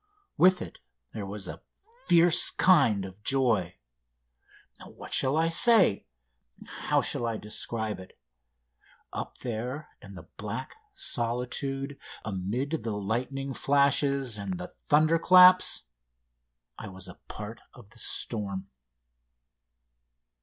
With it there was a fierce kind of joy. What shall I say? How shall I describe it? Up there in the black solitude, amid the lightning flashes and the thunderclaps, I was a part of the storm.